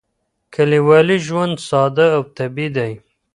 کلیوالي ژوند ساده او طبیعي دی.